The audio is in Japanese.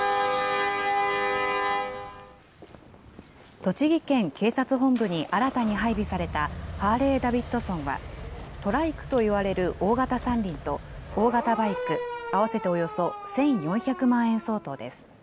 栃木県警察本部に新たに配備されたハーレーダビッドソンは、トライクといわれる大型３輪と、大型バイク合わせておよそ１４００万円相当です。